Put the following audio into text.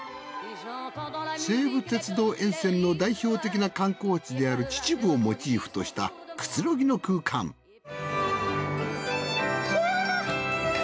西武鉄道沿線の代表的な観光地である秩父をモチーフとしたくつろぎの空間キャ！